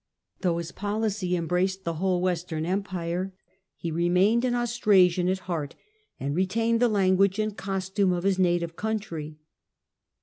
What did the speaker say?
Though his policy embraced the whole Western Empire, he remained an Austrasian at heart, and retained the language and costume of his native country.